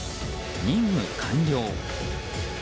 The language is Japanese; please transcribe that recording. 任務完了。